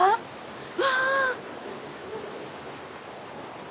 うわ。